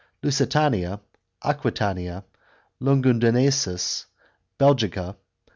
Lusitania. Aquitania.* Lugudunensis.* Belgica.